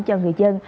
cho người dân